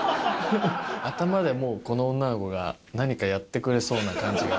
頭ではもう、この女の子が何かやってくれそうな感じが。